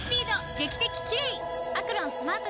劇的キレイ！